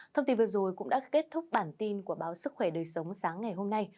thông tin vừa rồi cũng đã kết thúc bản tin của báo sức khỏe đời sống sáng ngày hôm nay